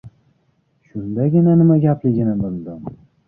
Shundagina nima gapligini bildim.